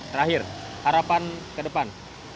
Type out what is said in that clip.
terakhir harapan ke depan